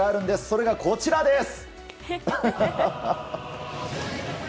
それが、こちらです！